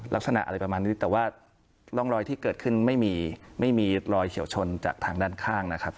ลักษณะอะไรประมาณนี้แต่ว่าร่องรอยที่เกิดขึ้นไม่มีไม่มีรอยเฉียวชนจากทางด้านข้างนะครับ